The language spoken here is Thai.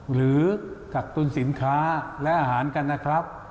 หรือจับต้นสินค้าและอาหารกันนะครับ